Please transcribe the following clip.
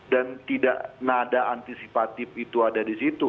dan tidak nada antisipatif itu ada di situ